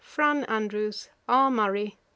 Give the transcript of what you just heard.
FRAN. ANDREWS. R. MURRAY. 'THO.